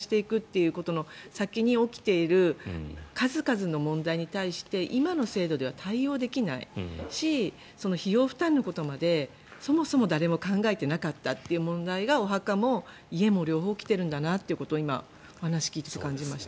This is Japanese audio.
結局、高齢社会になったりとか家族が細分化していくということの先に起きている数々の問題に対して今の制度では対応できないし費用負担のことまでそもそも誰も考えなかったという問題がお墓も家も両方来てるんだなということを今、お話を聞いていて感じました。